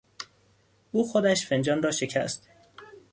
او خودش فنجان را شکست.